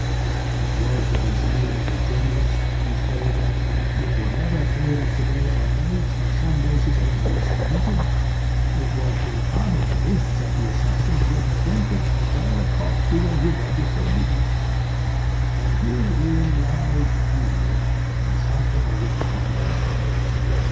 It was the design of the journalist to say that, at whatever period of the day or night of Sunday this murder was committed, it was improbable that the assassins would have ventured to bear the corpse to the river before midnight. And herein lies, really, the assumption of which I complain.